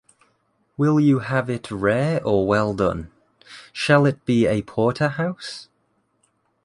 Will you have it rare or well-done? Shall it be a porterhouse?